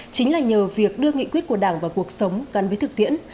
chính là nhờ việc đưa nghị quyết của đảng vào cuộc sống gắn với thực tiễn